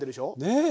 ねえ。